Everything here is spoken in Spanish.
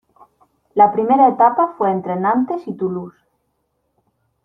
La primera etapa fue entre Nantes y Toulouse.